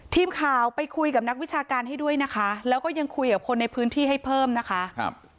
ทีมข่าวไปคุยกับนักวิชาการให้ด้วยนะคะแล้วก็ยังคุยกับคนในพื้นที่ให้เพิ่มนะคะครับ